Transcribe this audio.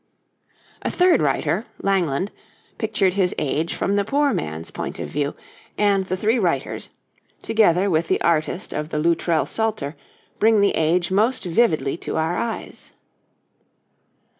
A third writer Langland pictured his age from the poor man's point of view, and the three writers, together with the artist of the Loutrell Psalter, bring the age most vividly to our eyes.